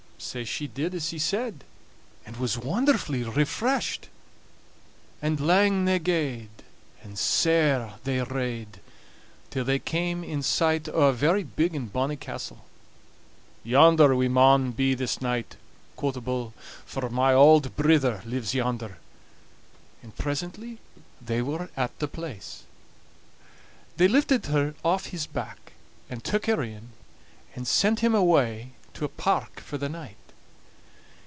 Sae she did as he said, and was wonderfully refreshed. And lang they gaed, and sair they rade, till they came in sight o' a very big and bonny castle. "Yonder we maun be this night," quo' the bull; "for my auld brither lives yonder"; and presently they were at the place. They lifted her aff his back, and took her in, and sent him away to a park for the night.